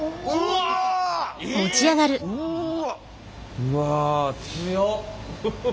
うわ強っ！